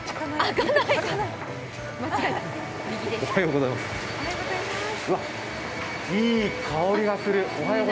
うわっ、いい香りがする。